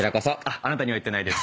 あなたには言ってないです。